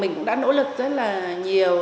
mình cũng đã nỗ lực rất là nhiều